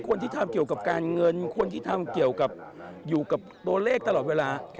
คนที่ทำเกี่ยวกับการเงินคนที่ทำเกี่ยวกับอยู่กับตัวเลขตลอดเวลา